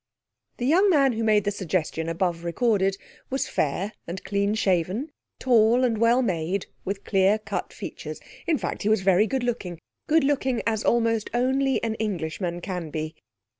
The young man who made the suggestion above recorded was fair and clean shaven, tall and well made, with clear cut feature; in fact, he was very good looking good looking as almost only an Englishman can be.